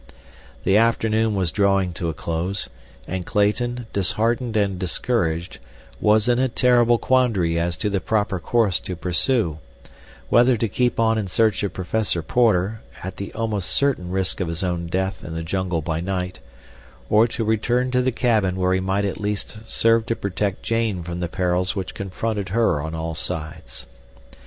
The afternoon was drawing to a close, and Clayton, disheartened and discouraged, was in a terrible quandary as to the proper course to pursue; whether to keep on in search of Professor Porter, at the almost certain risk of his own death in the jungle by night, or to return to the cabin where he might at least serve to protect Jane from the perils which confronted her on all sides.